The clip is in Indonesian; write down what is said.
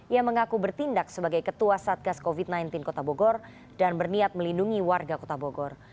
ia mengaku bertindak sebagai ketua satgas covid sembilan belas kota bogor dan berniat melindungi warga kota bogor